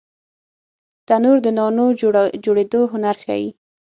تنور د نانونو جوړېدو هنر ښيي